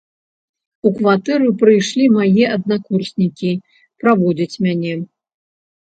У кватэру прыйшлі мае аднакурснікі праводзіць мяне.